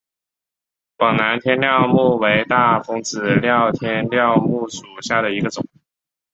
广南天料木为大风子科天料木属下的一个种。